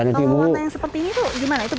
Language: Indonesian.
warna yang seperti ini itu gimana